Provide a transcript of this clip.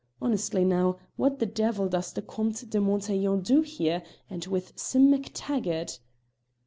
Honestly now, what the devil does the Comte de Montaiglon do here and with Sim MacTaggart?"